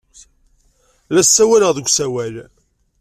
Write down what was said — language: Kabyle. La ssawaleɣ deg usawal.